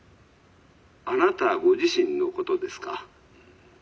「あなたご自身のことですか？」。